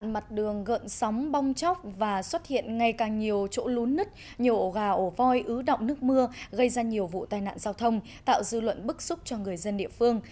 mặt đường gợn sóng bong chóc và xuất hiện ngày càng nhiều chỗ lún nứt nhổ gà ổ voi ứ động nước mưa gây ra nhiều vụ tai nạn giao thông tạo dư luận bức xúc cho người dân địa phương